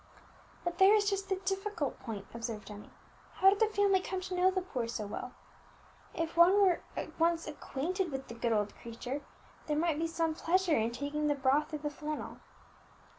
"But there is just the difficult point," observed Emmie, "how did the family come to know the poor so well? If one were once acquainted with the 'good old creature,' there might be some pleasure in taking the broth or the flannel."